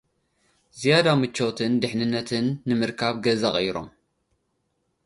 'ዝያዳ ምቾትን ድሕንነትን ንምርካብ ገዛ ቐይሮም።